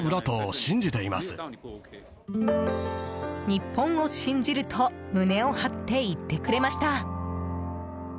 日本を信じると胸を張って言ってくれました。